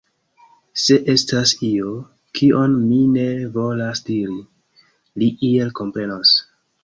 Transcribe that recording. Se estas io, kion mi ne volas diri, li iel komprenos.